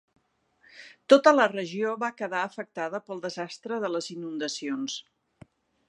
Tota la regió va quedar afectada pel desastre de les inundacions.